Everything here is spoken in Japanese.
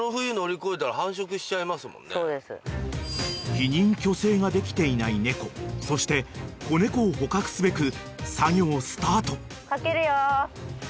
［避妊去勢ができていない猫そして子猫を捕獲すべく作業スタート］